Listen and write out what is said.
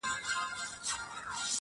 په قېمت د سر یې ختمه دا سودا سوه،